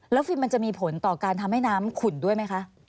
แล้วฟิลล์มันจะมีผลต่อการทำให้น้ำขุ่นด้วยมั้ยคะ